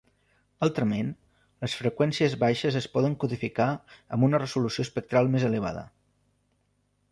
Altrament, les freqüències baixes es poden codificar amb una resolució espectral més elevada.